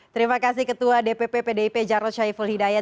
terima kasih ketua dpp pdip jarod syaiful hidayat